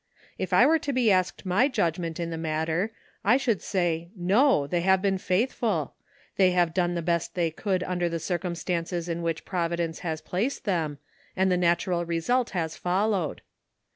If I were to be asked my judgment in the matter I should say 'No, they have been faithful. They have done the best they could under the circumstances in which Providence has placed them, and the natural result has followed.'